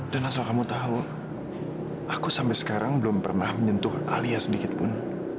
dan asal kamu tahu aku sampai sekarang belum pernah menyentuh alia sedikitpun